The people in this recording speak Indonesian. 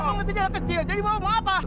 kamu ngerti dia anak kecil jadi bapak mau apa